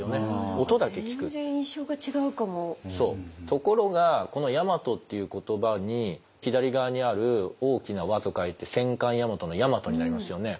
ところがこの「やまと」っていう言葉に左側にある「大きな和」と書いて戦艦「大和」の「大和」になりますよね。